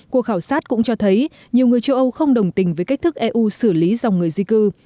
cuộc khảo sát cũng cho thấy nhiều người châu âu không đồng tình với cách thức eu xử lý dòng người di cư